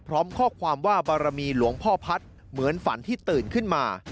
พร้อมข้อความว่าบารมีหลวงพ่อพัฒน์เหมือนฝันที่ตื่นขึ้นมา